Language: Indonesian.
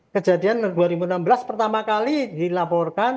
kejadian dua ribu enam belas pertama kali dilaporkan